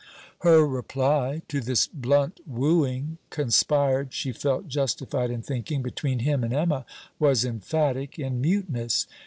Her reply to this blunt wooing, conspired, she felt justifled in thinking, between him and Emma, was emphatic in muteness.